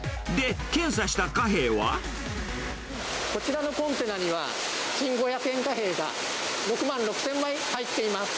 で、こちらのコンテナには、新五百円貨幣が６万６０００枚入っています。